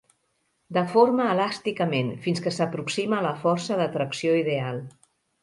Deforma elàsticament fins que s'aproxima a la força de tracció ideal.